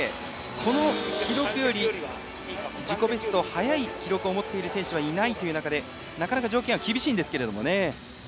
この記録より自己ベスト早い記録を持っている選手はいないという中で、なかなか条件は厳しいんですけどね。